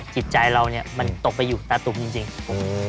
จิตใจเราเนี่ยมันตกไปอยู่ตาตุ๊ปจริงอืม